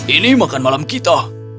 ini makan malam kita